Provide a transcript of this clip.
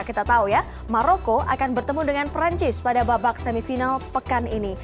kita tahu ya maroko akan bertemu dengan perancis pada babak semifinal pekan ini